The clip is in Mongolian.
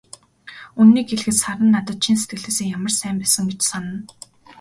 Үнэнийг хэлэхэд, Саран надад чин сэтгэлээсээ ямар сайн байсан гэж санана.